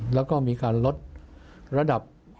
แล้วก็มีการลดระดับความสัมพันธ์